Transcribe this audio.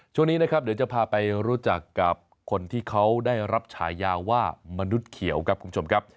ช่วงนี้นะครับเดี๋ยวจะพาไปรู้จักกับคนที่เขาได้รับฉายาว่ามนุษย์เขียวครับคุณผู้ชมครับ